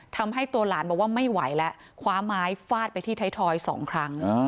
ทำให้ตัวหลานบอกว่าไม่ไหวแล้วคว้าไม้ฟาดไปที่ไทยทอยสองครั้ง